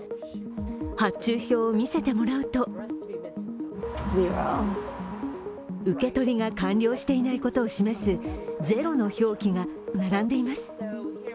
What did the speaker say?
発注表を見せてもらうと受け取りが完了していないことを示す「０」の表記が並んでいます。